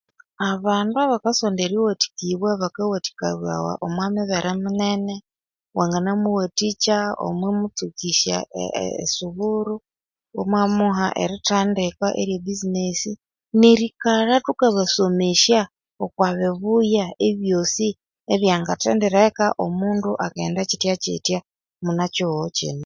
Abandu abakasonda eriwathikibbwa bakawathikibawa omwamibere minene wanganamuwathikya omwimutsukisha esuburu iwamuha erthandika erya business nerikalha tukabasomesya okwabibuya ebyosi ebyangatandireka omundu akaghenda kitya kitya muna kihugho muno